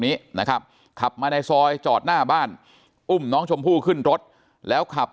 นี้นะครับขับมาในซอยจอดหน้าบ้านอุ้มน้องชมพู่ขึ้นรถแล้วขับ